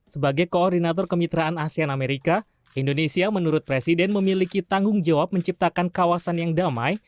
sebagai koordinator kemitraan asean amerika indonesia menurut presiden memiliki tanggung jawab menciptakan kawasan yang damai